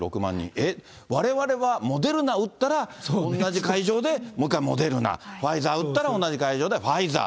えっ、われわれはモデルナ打ったら、同じ会場でもう一回モデルナ、ファイザー打ったら、もう１回同じ会場でファイザー。